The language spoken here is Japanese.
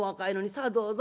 さあどうぞ。